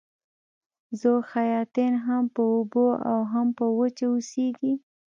ذوحیاتین هم په اوبو او هم په وچه اوسیږي